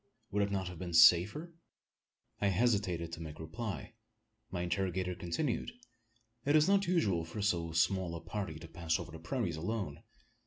Would it not have been safer?" I hesitated to make reply. My interrogator continued: "It is not usual for so small a party to pass over the prairies alone.